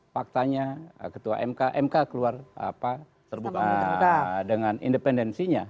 faktanya ketua mk mk keluar terbuka dengan independensinya